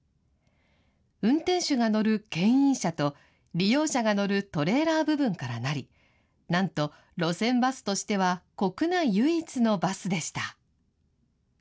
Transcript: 運転手が乗るけん引車と、利用者が乗るトレーラー部分からなり、なんと路線バスとしては国内唯一のバスでした。